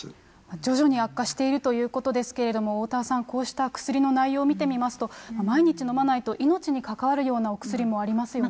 徐々に悪化しているということですけれども、おおたわさん、こうした薬の内容見てみますと、毎日飲まないと命に関わるようなお薬もありますよね。